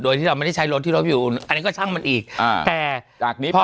โดยที่เราไม่ได้ใช้รถที่รอบอยู่อันนี้ก็ช่างมันอีกแต่พอ